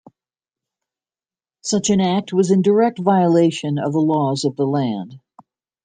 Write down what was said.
Such an act was in direct violation of the laws of the land.